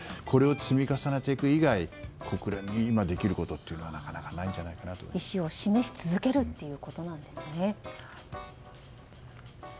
これを積み重ねていく以外国連に今できることはなかなかないんじゃないかなと意思を示し続けるということなんですね。